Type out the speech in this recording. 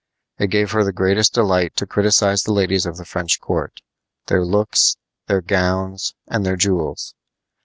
It gave her the greatest delight to criticize the ladies of the French court their looks, their gowns, and their jewels.